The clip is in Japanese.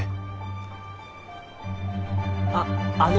ああの。